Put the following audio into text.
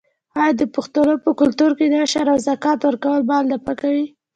آیا د پښتنو په کلتور کې د عشر او زکات ورکول مال نه پاکوي؟